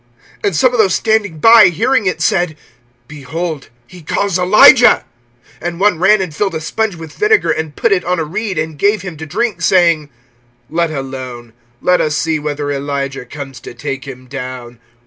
(35)And some of those standing by, hearing it, said: Behold, he calls Elijah. (36)And one ran and filled a sponge with vinegar, and put it on a reed, and gave him to drink, saying: Let alone; let us see whether Elijah comes to take him down.